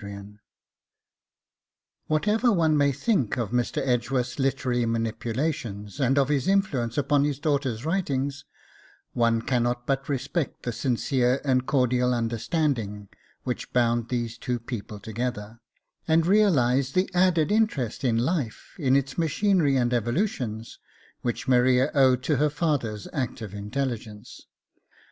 III Whatever one may think of Mr. Edgeworth's literary manipulations and of his influence upon his daughter's writings, one cannot but respect the sincere and cordial understanding which bound these two people together, and realise the added interest in life, in its machinery and evolutions, which Maria owed to her father's active intelligence.